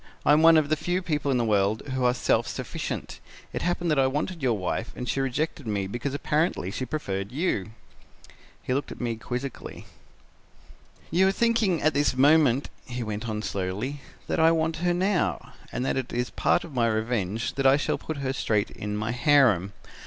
I am one of the few people in the world who are self sufficient. It happened that I wanted your wife and she rejected me because apparently she preferred you.' "He looked at me quizzically. "'You are thinking at this moment,' he went on slowly, 'that I want her now, and that it is part of my revenge that I shall put her straight in my harem.